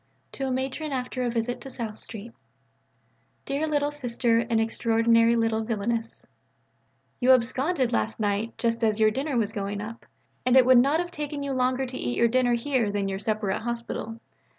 (To a Matron after a visit to South Street.) DEAREST LITTLE SISTER AND EXTRAORDINARY LITTLE VILLAINESS You absconded last night just as your dinner was going up, and it would not have taken you longer to eat your dinner here than your supper at hospital.